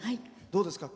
どうですか？